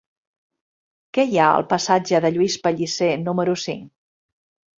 Què hi ha al passatge de Lluís Pellicer número cinc?